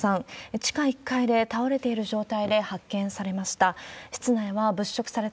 地下１階で倒れている状態で発見されました。